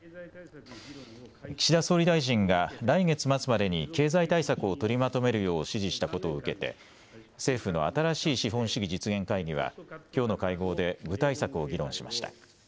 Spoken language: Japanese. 岸田総理大臣が来月末までに経済対策を取りまとめるよう指示したことを受けて政府の新しい資本主義実現会議はきょうの会合で具体策を議論しました。